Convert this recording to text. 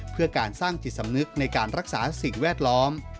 เพื่อการสร้างจิตสำนึกในการรักษาสิ่งแวดล้อม